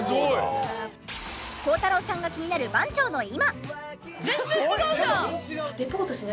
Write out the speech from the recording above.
孝太郎さんが気になる番長の今